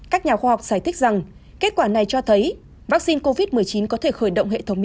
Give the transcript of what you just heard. các nhà khoa học giải thích rằng kết quả này cho thấy vaccine covid một mươi chín